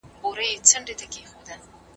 ملي عاید به په اوږد مهال کي د پام وړ بدلون وکړي.